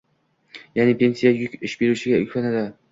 Ya'ni, pensiya yuki ish beruvchiga yuklanadi